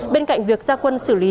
bên cạnh việc gia quân xử lý